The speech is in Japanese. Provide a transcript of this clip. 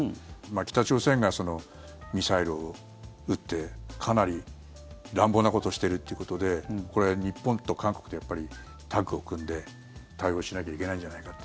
北朝鮮がミサイルを撃ってかなり乱暴なことをしてるっていうことでこれ、日本と韓国でやっぱりタッグを組んで対応しなきゃいけないんじゃないかって。